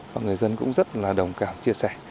và người dân cũng rất là đồng cảm chia sẻ